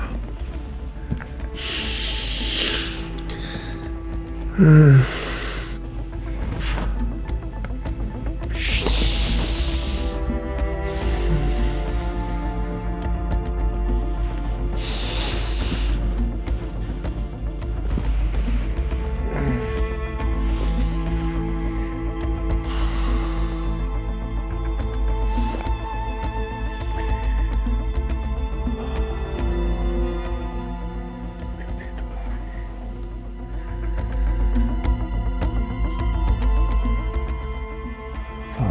mimpi itu lagi